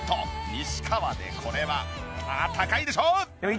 西川でこれは高いでしょ！